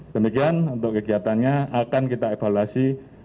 demikian untuk kegiatannya akan kita evaluasi